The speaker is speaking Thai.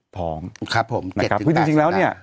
พองนะครับก็จริงแล้วเนี่ย